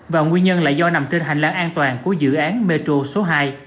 và nguyên nhân là do nằm trên hành lang an toàn của dự án metro số hai